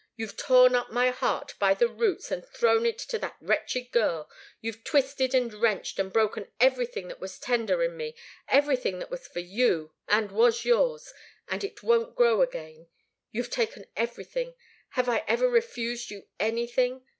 You've torn up my heart by the roots and thrown it to that wretched girl you've twisted, and wrenched, and broken everything that was tender in me, everything that was for you, and was yours and it won't grow again! You've taken everything have I ever refused you anything?